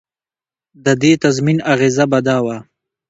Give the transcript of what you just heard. د دې تضمین اغېزه به دا وه.